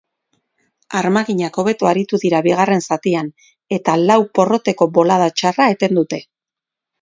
Armaginak hobeto aritu dira bigarren zatian eta lau porroteko bolada txarra eten dute.